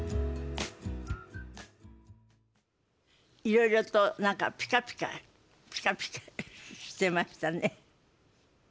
いろいろと何かピカピカピカピカしてましたね。